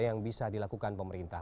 yang bisa dilakukan pemerintah